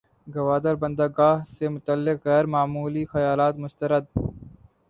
گوادر بندرگاہ سے متعلق غیر معمولی خیالات مسترد